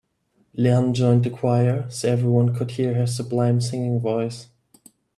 Leanne joined a choir so everyone could hear her sublime singing voice.